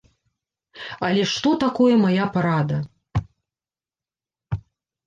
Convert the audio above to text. Але што такое мая парада?